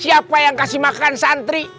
siapa yang kasih makan santri